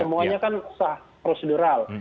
semuanya kan prosedural